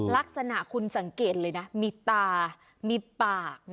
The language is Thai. ลักษณะคุณสังเกตเลยนะมีตามีปาก